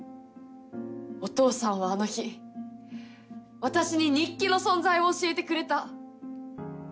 お父さんはあの日私に日記の存在を教えてくれた。